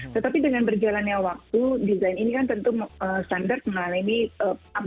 tetapi dengan berjalannya waktu desain ini kan tentu standar mengalami apa